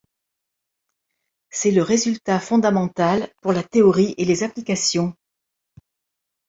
C'est le résultat fondamental pour la théorie et les applications.